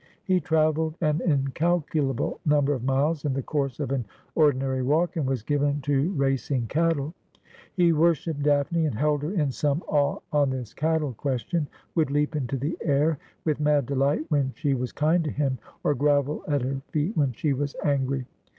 He travelled an incalculable number of miles in the course of an ordinary walk, and was given to racing cattle. He worshipped Daphne, and held her in some awe on this cattle question ; would leap into the air with mad delight when she was kind to him, or grovel at her feet when she was angry.